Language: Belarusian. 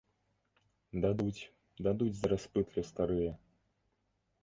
Дадуць, дадуць зараз пытлю старыя.